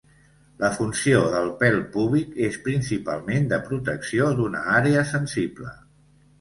La funció del pèl púbic és principalment de protecció d'una àrea sensible.